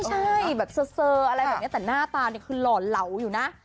ใช่แบบเซอร์อะไรแบบนี้แต่หน้าตาเนี่ยคือหล่อเหลาอยู่นะ